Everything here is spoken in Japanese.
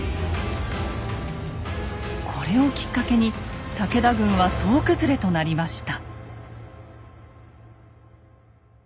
これをきっかけに武田軍は総崩れとなりました。